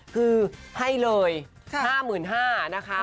คือให้เลย๕๕๐๐บาทนะคะ